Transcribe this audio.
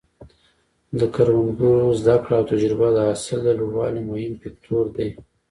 د کروندګرو زده کړه او تجربه د حاصل د لوړوالي مهم فکتور دی.